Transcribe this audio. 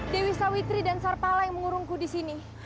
dewi sawitri dan sarpala yang mengurungku di sini